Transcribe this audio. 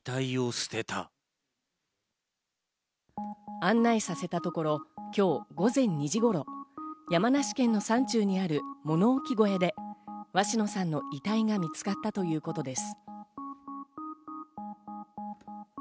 案内させたところ、今日午前２時頃、山梨県の山中にある物置小屋で鷲野さんの遺体が見つかったということです。